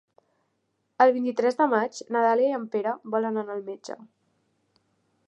El vint-i-tres de maig na Dàlia i en Pere volen anar al metge.